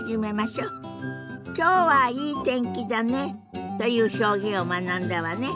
「きょうはいい天気だね」という表現を学んだわね。